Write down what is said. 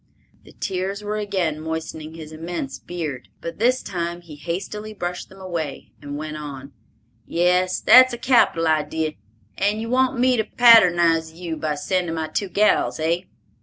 The tears were again moistening his immense beard, but this time he hastily brushed them away, and went on, "Yes, that's a capital idee, and you want me to patternize you by sending my two gals—hey?